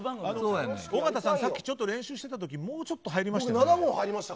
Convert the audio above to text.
尾形さん、練習してた時もうちょっと入りましたよね？